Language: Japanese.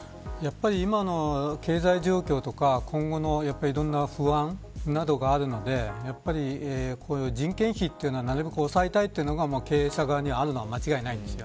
今の経済状況とか今後のいろんな不安などがあるので人件費というのはなるべく抑えたいというのが経営者側にあるのは間違いないです。